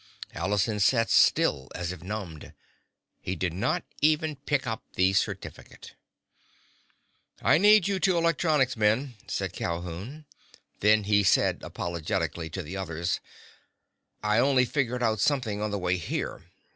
Allison sat still as if numbed. He did not even pick up the certificate. "I need you two electronics men," said Calhoun. Then he said apologetically to the others, "I only figured out something on the way here.